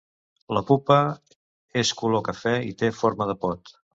La pupa és color cafè i té forma de pot.